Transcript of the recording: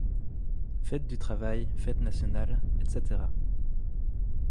Fête du travail, fête nationale, etc.